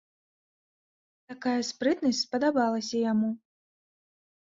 Такая спрытнасць спадабалася яму.